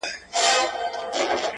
o اوس مي د زړه كورگى تياره غوندي دى ـ